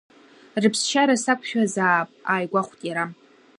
Рыԥсшьара сақәшәазаап ааигәахәт иара.